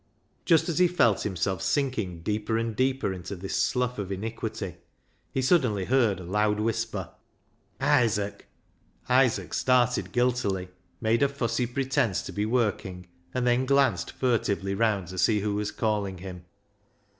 Just as he felt himself sinking deeper and deeper into this slough of iniquity, he suddenly heard a loud whisper — ISAAC'S FIDDLE 293 " Isaac !" Isaac started guiltily, made a fussy pretence to be working, and then glanced furtively round to see who was calling him.